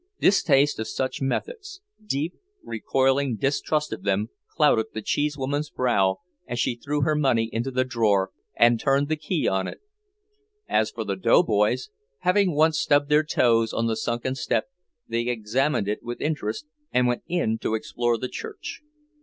Distaste of such methods, deep, recoiling distrust of them, clouded the cheesewoman's brow as she threw her money into the drawer and turned the key on it. As for the doughboys, having once stubbed their toes on the sunken step, they examined it with interest, and went in to explore the church.